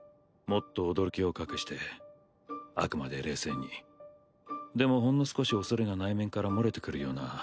もっと驚きを隠してあくまで冷静にでもほんの少し恐れが内面から漏れてくるような。